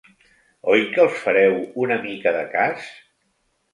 Oi que els fareu una mica de cas?